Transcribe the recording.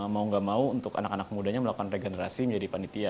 mau gak mau untuk anak anak mudanya melakukan regenerasi menjadi panitia